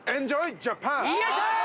よいしょー！